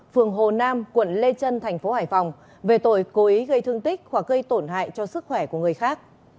phường hồ nam quận lê trân thành phố hải phòng về tội cố ý gây thương tích hoặc gây tổn hại cho sức khỏe của người khác